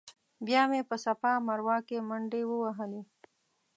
بیا مې په صفا مروه کې منډې ووهلې.